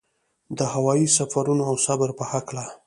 د هوايي سفرونو او صبر په هکله.